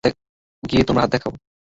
গিয়ে তোমার হাত দেখাও।